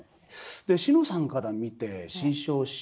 で志乃さんから見て志ん生師匠